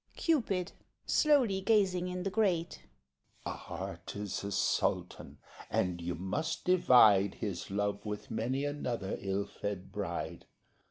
CUPID (slowly, gazing in the grate) Art is a sultan, and you must divide His love with many another ill fed bride.